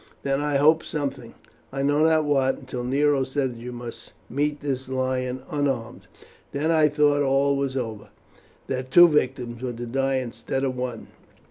Then I hoped something, I know not what, until Nero said that you must meet the lion unarmed. "Then I thought all was over that two victims were to die instead of one.